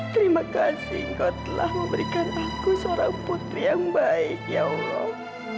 terima kasih engkau telah memberikan aku seorang putri yang baik ya allah